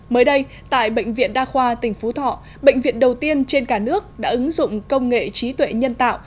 mới đây tại bệnh viện đa khoa tỉnh phú thọ bệnh viện đầu tiên trên cả nước đã ứng dụng công nghệ trí tuệ nhân tạo